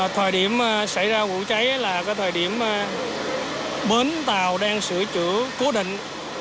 thời điểm xảy ra vụ cháy là thời điểm bến tàu đang sửa chữa cố định